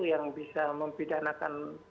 yang bisa mempidanakan